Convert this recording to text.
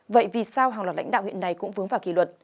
vậy vì sao hàng loạt lãnh đạo hiện nay cũng vướng vào kỷ luật